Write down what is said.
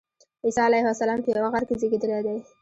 عیسی علیه السلام په یوه غار کې زېږېدلی دی.